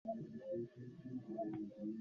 বিহারী কহিল, অন্যায় রাগ করেন নাই।